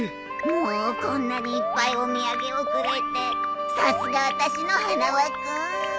もうこんなにいっぱいお土産をくれてさすが私の花輪君！